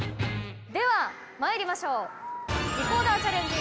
では参りましょう。